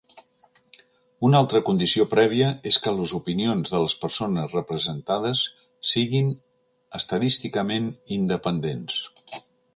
Una altra condició prèvia és que les opinions de les persones representades siguin estadísticament independents.